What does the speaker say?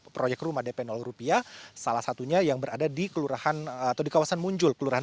proyek rumah dp rupiah salah satunya yang berada di kelurahan atau di kawasan muncul kelurahan